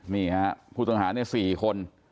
นี่ครับผู้ต้องหาเนี่ย๔คน